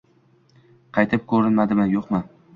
Qaytib ko`ramanmi, yo`qmi